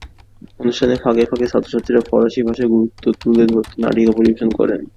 অনুষ্ঠানের ফাঁকে ফাঁকে ছাত্র-ছাত্রীরা ফরাসি ভাষার গুরুত্ব তুলে ধরতে নাটিকা পরিবেশন করেন।